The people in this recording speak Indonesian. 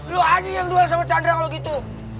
lo aja yang duel sama chandra kalau gitu